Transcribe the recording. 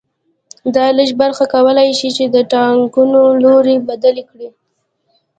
دا لږه برخه کولای شي چې د ټاکنو لوری بدل کړي